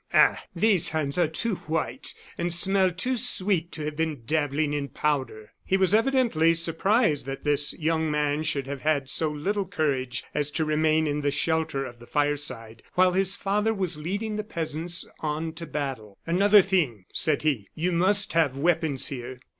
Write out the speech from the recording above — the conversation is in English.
"Ah! these hands are too white and smell too sweet to have been dabbling in powder." He was evidently surprised that this young man should have had so little courage as to remain in the shelter of the fireside while his father was leading the peasants on to battle. "Another thing," said he, "you must have weapons here."